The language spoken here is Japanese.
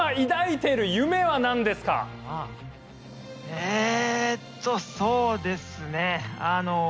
えーと、そうですね。